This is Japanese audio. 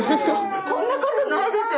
こんなことないですよ